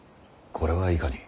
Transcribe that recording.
これはいかに？